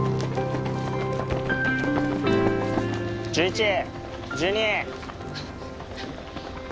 １１、１２。